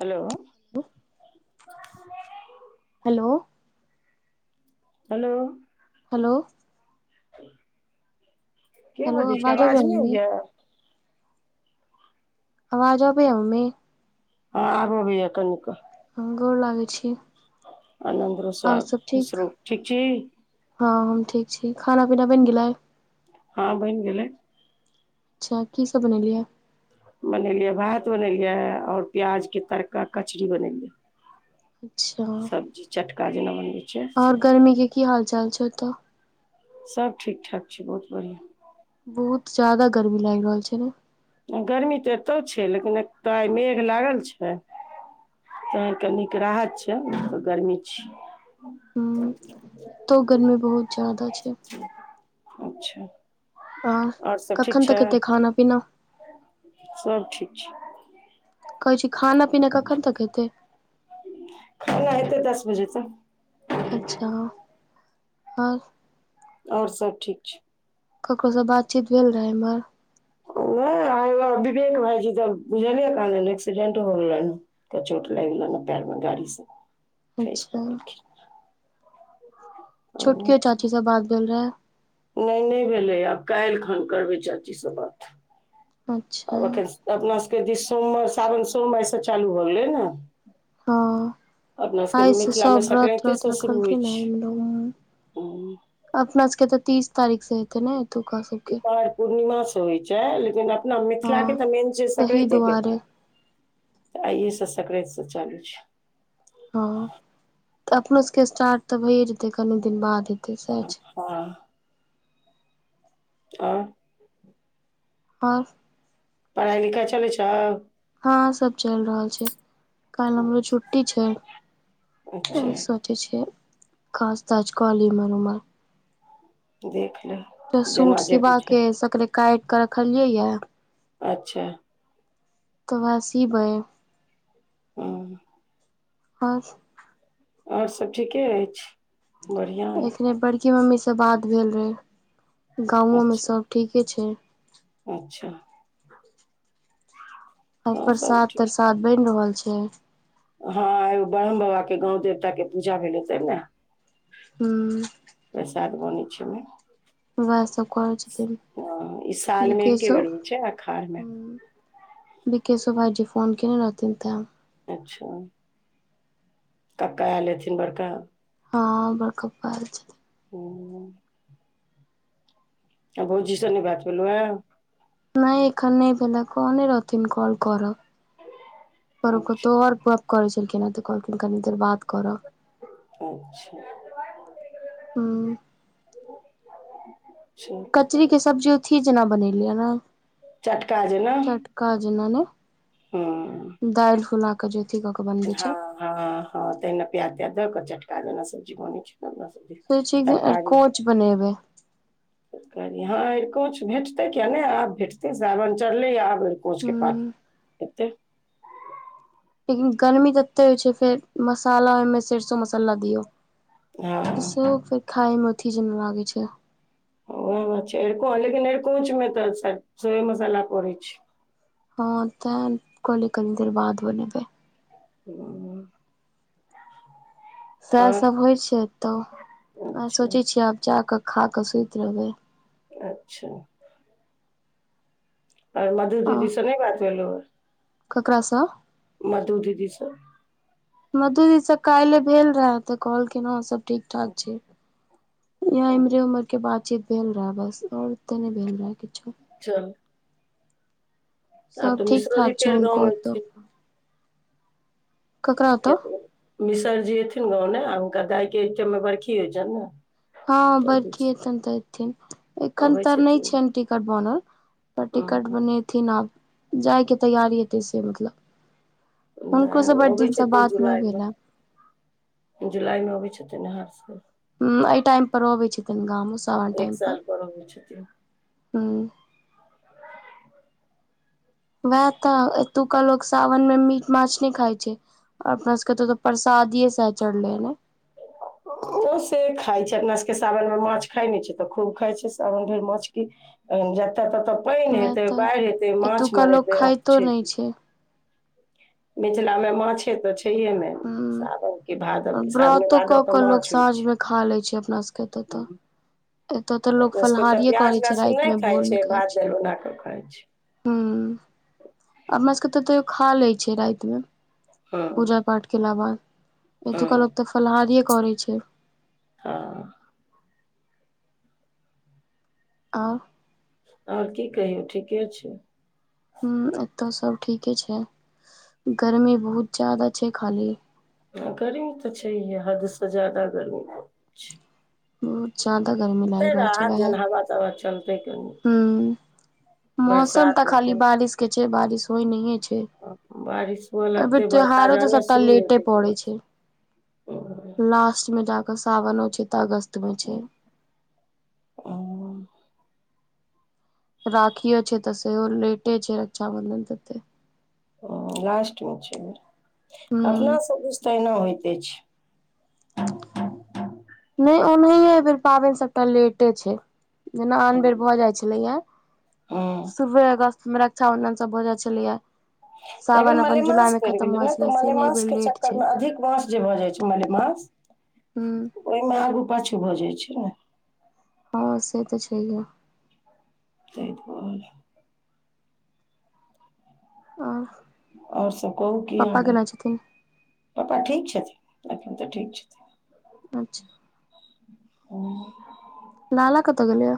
Hello. ब। [unintelligible] Hello. Hello. Hello. के hello बजै छै अबैया आवाज नइ मम्मी आबइया आवाज आबैमे हँ आब अबैया कनिकऽ' गौर लागै छी। अनन्द रहुं। आओर सब ठीक हँ हम ठीक छी खाना पीना बनि गेलइ ह? हँ बइन गेलै अच्छा की सब बनेलियै बनेलियै भात बनेलियै और प्याज के तड़का कचड़ी बनेलियै। अच्छा सब्जी चटका जेना बनबै छै आओर से गर्मी के की हाल-चाल छै। तऽ' सब ठीक-ठाक छै बहुत बढ़ियाँ। बहुत ज्यादा गर्मी लाइग रहल छै न? गर्मी तऽ'एतौ छै, लेकिन एतऽ' आइ मेघ लागल छै। तऽ' कनीक राहत छै गर्मी छियै हूँ एतौ गर्मी बहुत ज्यादा छै। अच्छा हाँ आओर सब ठीक कखन छै तक हेतै खाना-पीना? सब ठीक छै। कहै छी खाना-पीना कखन तक हेतै? खाना हेतै दस बजे तक। अच्छा [inaudible] आओर? आओर सब ठीक छै। ककरो सं बातचीत भेल रहै इम्हर? ओएह आइ ओ विवेक भाइजी द बुझलियै कहाँ दैन एक्सीडेंट भ गेलैनहें। त चोट लागि गेलैनएं पैरमें गाड़ी सं खसि अच्छा पड़लखिन। आओर छोटकीओ चाची सं बात भेल रहा। नै-नै भेलैया आब कालिखन करबै चाची सं बात अच्छा आब अखैन स त अपना सबके दिस सोम आ सावन सोम आइ सं चालू भ गेलै ने। हँ [inaudible] अपना सबके आइ से मिथिला में सब व्रत संकरैते व्रत सं शुरू होइ रखलखिन ह छै। लोग हुं। अपना सबके त तीस तारीख सं ऐ। कमाउ खुब, खाउ खुब। उपाइ पूर्णिमा सं होइ छै लेकिन अपना मिथिलाके हँ त मेन छै तहि संकरैते के दुआरे न। त आइए सं संकरैत सं चालू छै। हँ, त अपनो सबके स्टार्ट त भैए जेतै, कनी दिन बाद हेतै सैह छै। हं। आओर? आओर? पढ़ाई-लिखाई चलै छौ? हँ सब चलि रहल छै, कालि हमरो अच्छा छुट्टी छै। [inaudible] अच्छा आओर सब? जे छै, [inaudible] काज-ताज क ली एम्हर-उम्हर‌ देख एकटा लेब जेना सूट जे बुझै सिबाके अछि, तकरे काटिक रखलियैए। अच्छा। ओकर बाद सीबै। हं। आओर? आओर सब ठीकेअछि बढ़ियां। एकबेर बड़की मम्मी सं बात भेल रहै गाँवो में अच्छा सब ठीके छै। अच्छा। [inaudible] आ सब प्रसाद ठीक तरसाद बनि रहल छै? हँ एगो ब्रह्म बाबाके गाँव देवताके पूजा भेलै तैं द्वारा। हुं। प्रसाद बनै छलै। वैह सब करै छथिन? हं ई सालमे एके बिकेशो बेर होइ छै, अखाढ़मे। विकेशो भाइजी फोन केने रहथिन तें अच्छा। कक्काआएल हेथिन बड़का? हँ बड़का पप्पा आएल छथिन। ओ। आ भौजी सं नै बात भेलौया। नहि एखन नहि भेले कहने रहथिन कॉल करब पर ओ कतौ और गप करै छलखिनए तऽ कहलखिन कनी देर बाद करब। अच्छा। हूँ छै। कचरी के सब्जी उथि जेना बनेलियै ए ना। चटका जेना। काजेना ने हँ दालि फुला क जे अथी क क हँ हँ हँ तहिना प्याज त्याज दऽ कऽ चटका जेना सब्जी बनै छै। तेना सब्जी सोचइ छियै जे अरिकोंच बनेबै। तरकारि हँ अरिकोंच भेटतै किया नहि, आब भेटतै सावन चढलै आब अरिकोंच के हूँ पात एतै। लेकिन गर्मी तत्ते होय छै, फेर मसाला ओहिमे सरसो मसाला दियौ। हँ सेहो फेर खायमे अथि जेना लागै छै। हं ओहो बात छै अरिकों लेकिन अरिकोंच मे तऽ सरिसोए मसाला पड़ै छै। हँ तैं कहलियै कनी देर बाद बनेबै। [unintelligible] सएह आओर सब होइ छै अतऽ। अच्छा सोचै छियै आब जा कऽ खा कऽ सुति रहबै। अच्छा। आर मधु दीदी स नहि बात भेलहुए? ककरास? मधु दीदीस। मधु दीदी स काइले भेल रहे तऽ कहलखिन हं सब ठीक ठाक छै। यैह इम्हरे उम्हर के बातचीत भेल रहै बस आओर त नहि भेल रहे किछो। चल। सब ठीक मिश्रोजी ठाक छै फेर हुनको गाँव ओतऽ। एलखिन ककरा ओतऽ मिसर जी एथिन गाँव ने आब हुनका दायके एहि टाइममे बरखी होइ छनि ने। हँ, तऽ अबै बरखी हेतन तऽ एथिन एखन अबै तऽ नहि छथिन छनि टिकट बनल। पर टिकट हँ बनेथिन आब जायके तैयार हेतै से मतलब। नहि हुनको स बड़ अबै दिनसँ छथिन बात नहि जुलाई भेलए। मे जुलाई मे अबै छथिन ने हर साल। हूं एहि टाइम पर अबै छथिन गाम सावन एक टाइम पर। साल अबै छथिन हूं। वएह तऽ एतुका लोक साावन में मीट माछ नहि खाइ छै। आ अपना सबके एत त परसादिये सैह चढ़लैयै ने। ओ से खाइ छै। अपना सबके सावन मे माछ खाइ नहि छै तऽ खूब खाइ छै सावन भरि माछ की। अ जतऽ ततऽ पानि वएह हेतै तऽ बाढ़ि हेतै माछ एतुका लोक मरेतै खाइतो अपछे नहि छै मिथिला मे माछे तऽ छैहे ने ह सावन कि भादव। सावने व्रतो क भादव तऽ क लोग माछ होइ साँझ में खा ले छै अपना सबके एतत। छै एतऽ तऽ लोक अपना सबके तऽ फलहारिेये प्याज करै छै लहसुन राति नहि मे भोर मे खाइ भात छै। दालि बना कऽ खाइ छै हूं अपना सबके तऽ तैयो खा लै छै राति मे। हँ पूजा पाठ केला बाद एतुका हँ लोक तऽ फलहारिये करै छै। ह। आ आओर की कहियौ ठीके छै। हूं अतौ सब ठीके छै गर्मी बहुत जादा छै खाली। हं गर्मी तऽ छैहे हद स ज्यादा गर्मी। छै बहुत जादा गर्मी लागि रहल छै वहै। हावा तावा चलतै केहु। हूं मौसम तऽ खाली हेतै बारिश के छै बारिश होइ नहिये छै। बारिश हुअ एय फेर लगतै बरसा त्यौहारो तऽ जहने सबटा शुरू लेटे हेतै पड़ै तुरत छै। लास्ट मे जाकऽ सावनो छै तऽ अगस्त में छै। अ ओं राखीयो छै तऽ सेहो लेटे छै रक्षाबंधन तते। हँ लास्टमे छै अय बेर, हूं अपना सब दिश तऽ अहिना होइते छै। नहि ओनहिए एहि बेेर पाबैन सबटा लेटे छै। जेना आन बेर भऽ जाइ छलैए। हँ शुरूवे अगस्त मे रक्षााबंधन सब हो जाइ छलैए। तऽ एहि बेर मलेमास पड़ि गेलै भऽ जाइ नऽ, छलै तऽ से नहि एहि मलेमास बेर के लेट छै चक्कर मे अधिक मास जे भ जाइ छै मलेमास। हूं। ओय मे आगू-पाछू भऽ जाइ छै ने। हँ से तऽ छैहे। तैं तऽ भ गेलै। आं। अओर सब कहू कि हाल अय। पप्पा ठीक छथिन? अखन तऽ ठीक छथिन। अच्छा ओं लाला कतऽ गेलै यऽ?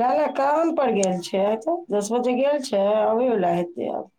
नाला काम पर गैल छै तऽ, दस बजे गेल छै अबै वला हेतै आब।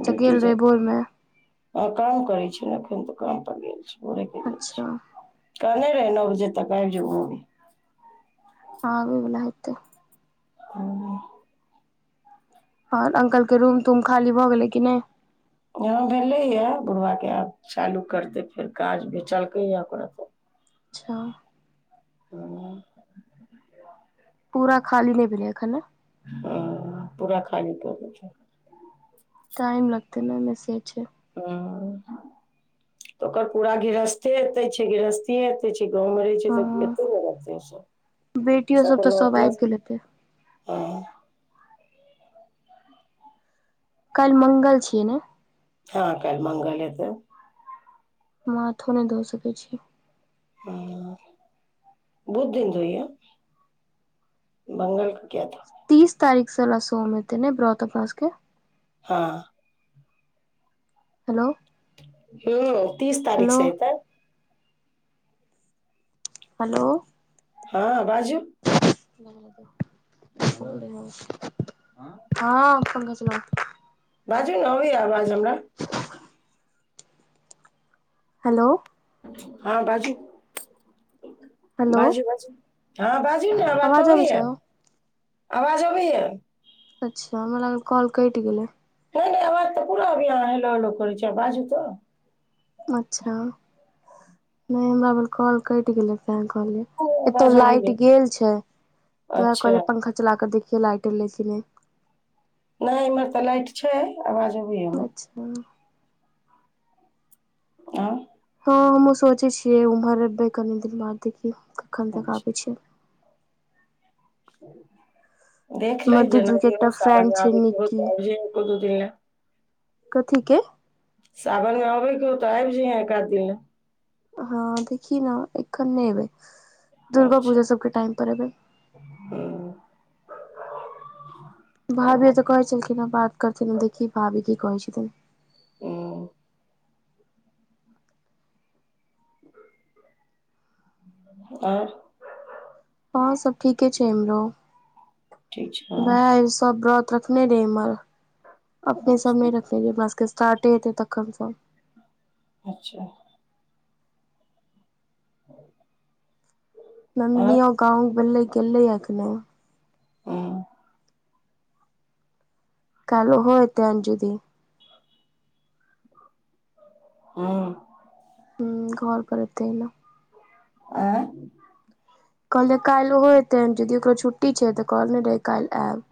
अच्छा ड्यूटी गेल जे रहै भोर मे। हँ काम करै छै ने एखन तऽ, काम पर गेल छय भोरे गेल अइछ। अच्छा कहने रहै नौ बजे तक आबि जेबौ। आबै बला हेतै। [unintelligible] अओर अंकल के रूम-तूम खाली भऽ गेलै कि नहि? हँ भेलै यें बुढ़वा के आब, चालू करतें फेर काज, बेचलकै यें ओकरा सऽ अच्छा। हँ। पूरा खाली नहि भेलै यें एखन ने। हँ पूरा खाली कऽ देतै। टाइम लगतै ने ओयमे से छय। हँ तऽ ओकर पूरा गृहस्थे एतय छै, गृहस्थिये एतय छै गाँंव मऽ रहै छय हँ तऽ एतै ने रहतै बेटियो ओसब सब तऽ कोनो अपना आबि सब गेल हेतै हँ काल्हि मंगल छियै ने। हँ काइल मंगल हेतै। माथो नहि धो सकै छी। हूं बहुत दिन धोइहं। मंगल कऽ कियाऽ धो तीस तारीख सऽ ला सोम हेतैने ब्रत अपना सबके। हँ। हेलो। ह्म तीस तारीख हेलो से एतय। हेलो। हँ बाजू। [inaudible] हँ पहुँचलौ। बाजू न अबैया आवाज हमरा। हेलो। हँ बाजू हेलो बाजू बाजू। हँ बाजू न आवाज तऽ आबै अबैया छै आवाज अबैया। अच्छा हमरा लागल कॉल कैट गेलय। नै नै आबज तऽ पूरा अबया आहाँ हेलो हेलो करे छिये बाजू त। अच्छा नहि हमरा भेल कॉल कटि गेलै तेँ कहलियै। एतौ आवाज लाइट अबैये गेल छै त वह अच्छा कहलियै पंखा चला क देखिये लाइट एले कि नै। नहि इम्हर तऽ लाइट छै आवाज अबैया हमरा। छः आ। हँ हमहु सोचे छीयै उम्हर एबै कनि दिन बाद देखि कखन तक अच्छा आबे छिय। देख लही जेना मधुजी के जे एकटा हउ साबन फ्रेंड मे छै आब के हो निक्की त आइब जहें एक दू दिन ल। कथि के? सावन मे अबैके हौ तऽ आबि जयहे एकाध दिन ल। हँ देखि न एखन नय एबै दुर्गा पूजा सब के टाइम पर एबै। हुं भाभी तऽ कहै छलखिन हँ बात करथिन देखी भाभी की कहै छथिन। हुं ओर। हँं सब ठीके छै इम्हरो ठीक छै नै हँ आइ सब ब्रत रखने रहिए इम्हर अपने सब नहि रखने रहिए [inaudible] स्टारटे हेते तखन स। अच्छा। आओर नन्दनियो गाँव बलैगलै आखने। हूँ कायल ओहो एतै आइनजदी। ह्म ह्म घर पर अबतियौ। ऐ कहलै काल्हि ओहो ऐते अंजुयदि ओकरो छुट्टी छै त कहलने रहै काल्हि आयब।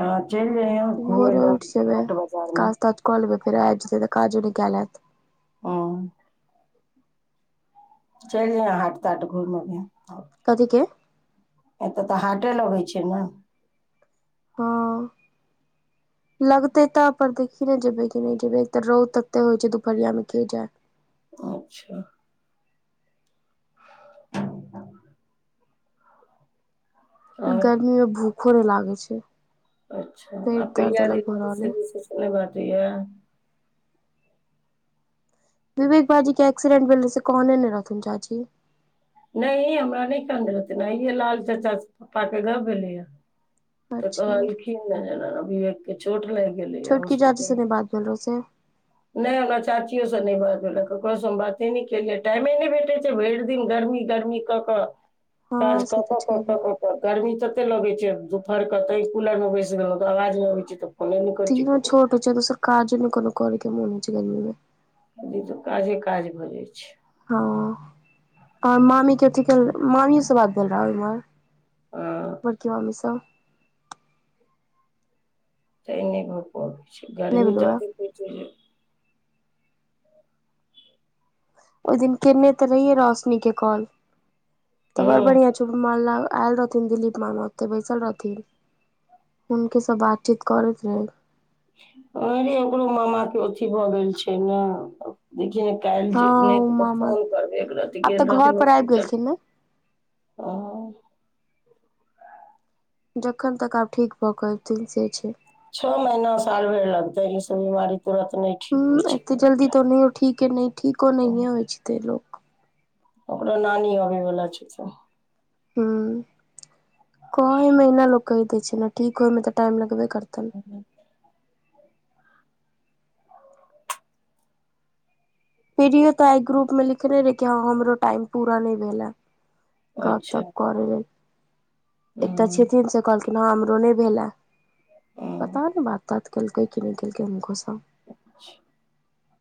हँ चैल जाइय तऽ घुमे ल हाट बाजार मे। क लेबेय फेर आइब जेबै काजो नहि केल हेत। ह अ चलि जायह हाट ताट घुम अभीह। कथि के? एतय तऽ हाटे लगै छै ने? हँ। लगते त पर देखी ने जेबे कि नहि जेबे एक तऽ रौद तते होइ छै दुपहरिया मे के जाय। अच्छा। आओर गर्मी मे भूखो नै लागै छै। अच्छा! आ पेट दर्द प्रिया अलग भऽ दीदी रहल अइ सेहो ससुराल मे भेटैय। विवेक बाजी के एक्सीडेंट भेले, से कहने ने रहथिन चाची? नहि हमरा नहि कहने रहथिन, आइए लाल चाचा के पप्पा से गप्प भेलेया। तऽ अच्छा कहलखिन है, एना -एना विवेक के चोट लाइग गेलय है, होॉस्पिटल पंद्रह सौ नहि हमरा चाचियो से नहि बात भेले, ककरोसँ हम बाते नहि केलियै, टाइमे नहि भेटैत छै, भरि दिन गर्मी -गर्मी। केकर, हँ काज से कऽ तऽ -कऽ -कऽ। छैहे तऽ गर्मी तते लगैत छै दुपहरके, तै कूलरमे बैस गेलहुँ, तऽ आवाज नहि अबैत छै, तऽ फोने नहि करै छी दिनो ककरो छोटे होइ छै, दोसर काजो नै कोनो करऽ के मोन होइए छै, गरमी मे। से तऽ काजे -काज भऽ जाइत छै। हँ, आर मामी के अथि, मामी से बात भेल रहे ओइमे? हँ बड़की मामी से? तांइऽ नहि भऽ पबैत छै, नहि गरमी भेलहुँ हँ तते होइ छै जे। ओहि दिन केने तऽ रहियै रोशनी के कॉल, तऽ बड़ हँ बढ़िया महल्ला आयल रहथिन दिलीप मामा, ओतऽ बैसल रहथिन। हुनके सँ बातचीत करैत छलियनि। ओनहिये ओकरो मामाके के अथी भऽ गेल छै ने? देखियौ काल्हि हँ ठीक नहि ओ हेतै त, मामा फोन करबै एक रति आब तऽ गेल घर रहथिन पर आबि हॉस्पिटल। गेलखिन ने हॅं। जखन तक आब ठीक भऽ के एथिन से छै। छअ महीना साल भर लगतै, इ सब बीमारी तुरन्त नहि ठीक हूॅं, होइ छै एते जल्दी बेटा। त ओनहियो ठीके नहि, ठीको नहिये होइ छै, तइयो। ओकरो नानी अबै वला छथिन। हू, कहै मे ओहिना लोक कहि दै छै ने, ठीक होइमे तऽ टाइम लगबे करतनि। प्रियो तऽ आय ग्रुप मे लिखने रहे, कि हँ हमरो टाइम पूरा नहि भेल ए। गप अच्छा -तप करै लेल, एकटा हँ छथिन से कहलखिन। ओना हमरो नहि भेल हें, हँ पता नहि बात -तात केलकै कि नहि केलकै हुनको सं? अच्छा!